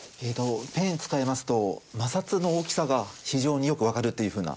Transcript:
ペン使いますと摩擦の大きさが非常によくわかるっていうふうな。